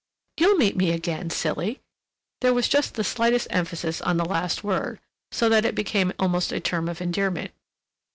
"You'll meet me again—silly." There was just the slightest emphasis on the last word—so that it became almost a term of endearment.